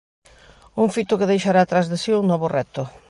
Un fito que deixará tras de si un novo reto.